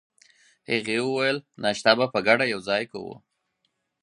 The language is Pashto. هغې وویل: ناشته به په ګډه یوځای کوو.